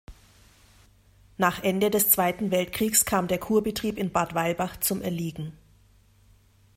Nach Ende des Zweiten Weltkriegs kam der Kurbetrieb in Bad Weilbach zum Erliegen.